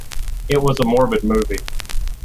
It was a morbid movie.